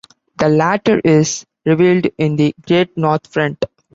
The latter is revealed in the great north front.